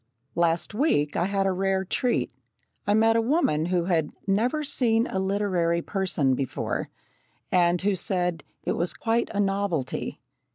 Last week I had a rare treat. I met a woman who had "never seen a literary person before," and who said "it was quite a novelty!"